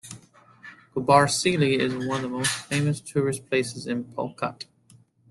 Gobbarsilli is one of the most Famous tourist places in Palkot.